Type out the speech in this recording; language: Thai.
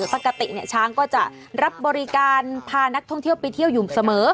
ปกติช้างก็จะรับบริการพานักท่องเที่ยวไปเที่ยวอยู่เสมอ